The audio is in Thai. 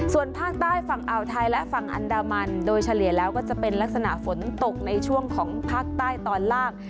ส่วนภาคใต้ฝั่งอ่าวไทยและฝั่งอันดามันโดยเฉลี่ยแล้วก็จะเป็นลักษณะฝนตกในช่วงของภาคใต้ตอนล่าง